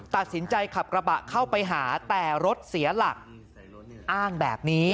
ตัดสินใจขับกระบะเข้าไปหาแต่รถเสียหลักอ้างแบบนี้